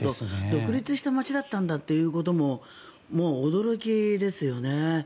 独立した街だったんだということも驚きですよね。